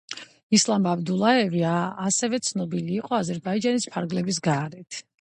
ისლამ აბდულაევი ასევე ცნობილი იყო აზერბაიჯანის ფარგლებს გარეთ.